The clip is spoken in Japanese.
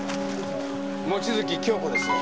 望月京子です。